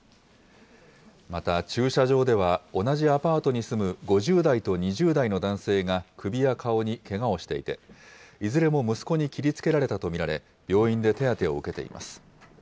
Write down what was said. また駐車場では、同じアパートに住む５０代と２０代の男性が首や顔にけがをしていて、いずれも息子に切りつけられたと見られ、病院で手当てを受けています。